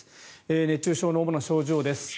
熱中症の主な症状です。